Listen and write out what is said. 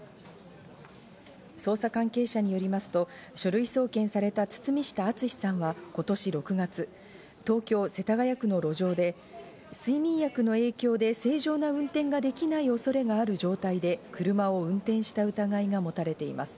捜査関係者によりますと書類送検された堤下敦さんは今年６月、東京・世田谷区の路上で睡眠薬の影響で正常な運転ができない恐れがある状態で車を運転した疑いが持たれています。